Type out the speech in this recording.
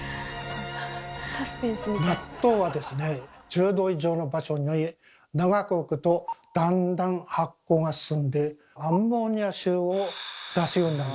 納豆はですね１０℃以上の場所に長く置くとだんだん発酵が進んでアンモニア臭を出すようになります。